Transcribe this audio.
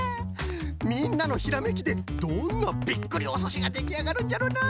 みんなのひらめきでどんなびっくりおすしができあがるんじゃろうな。